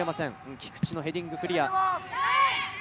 菊池のヘディングクリア。